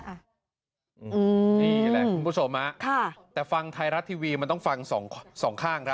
นี่แหละคุณผู้ชมแต่ฟังไทยรัฐทีวีมันต้องฟังสองข้างครับ